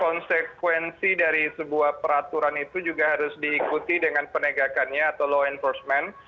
konsekuensi dari sebuah peraturan itu juga harus diikuti dengan penegakannya atau law enforcement